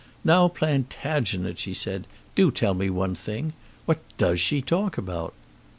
"Now, Plantagenet," she said, "do tell me one thing. What does she talk about?"